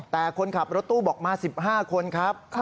แต่คนขับรถตู้บอกมา๑๕คนครับ